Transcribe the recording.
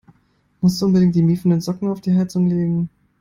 Musstest du unbedingt die miefenden Socken auf die Heizung legen?